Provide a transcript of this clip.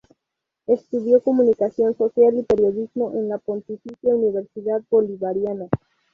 Estudió Comunicación Social y periodismo en la Pontificia Universidad Bolivariana.